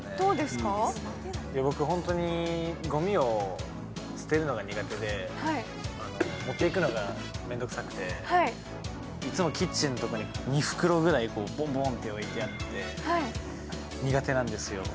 僕、ほんとにごみを捨てるのが苦手で、持っていくのが面倒くさくていつもキッチンとかに２袋くらいボンボンって置いてあって苦手なんですよ。